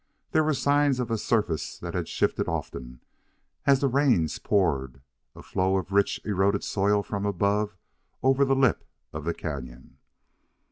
There were signs of a surface that had shifted often as the rains poured a flow of rich eroded soil from above over the lip of the canon.